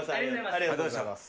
ありがとうございます。